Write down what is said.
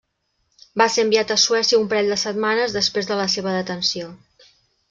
Va ser enviat a Suècia un parell de setmanes després de la seva detenció.